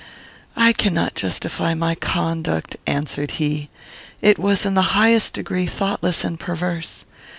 "I cannot justify my conduct," answered he. "It was in the highest degree thoughtless and perverse.